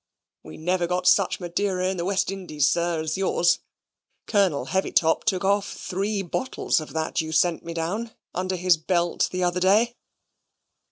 "We never got such Madeira in the West Indies, sir, as yours. Colonel Heavytop took off three bottles of that you sent me down, under his belt the other day."